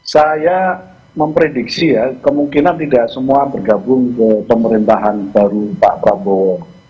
saya memprediksi ya kemungkinan tidak semua bergabung ke pemerintahan baru pak prabowo